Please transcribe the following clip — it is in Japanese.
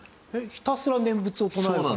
ひたすら念仏を唱えるから。